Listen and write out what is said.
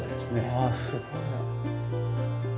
ああすごいな。